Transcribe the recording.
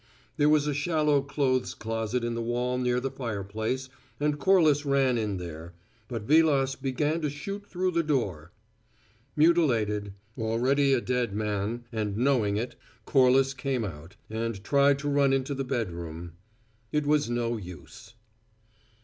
There was a shallow clothes closet in the wall near the fireplace, and Corliss ran in there; but Vilas began to shoot through the door. Mutilated, already a dead man, and knowing it, Corliss came out, and tried to run into the bedroom. It was no use.